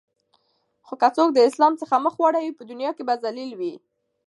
خو که څوک د اسلام څخه مخ واړوی په دنیا کی به ذلیل وی